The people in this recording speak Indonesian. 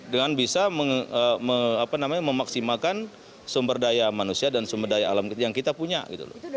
dengan bisa memaksimalkan sumber daya manusia dan sumber daya alam yang kita punya gitu loh